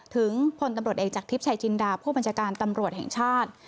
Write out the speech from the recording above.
พลตำรวจเอกจากทิพย์ชายจินดาผู้บัญชาการตำรวจแห่งชาติ